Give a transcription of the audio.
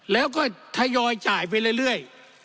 แล้วก็ทยอยจ่ายไปเรื่อย